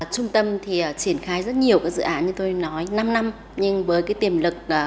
trung tâm thì triển khai rất nhiều dự án như tôi nói năm năm nhưng với cái tiềm lực